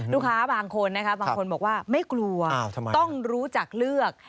ลูกค้าบางคนบอกว่าไม่กลัวต้องรู้จักเลือก